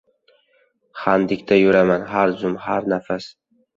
Hadikda yuraman har zum, har nafas